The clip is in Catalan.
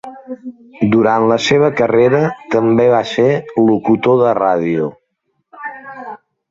Durant la seva carrera també va ser locutor de ràdio.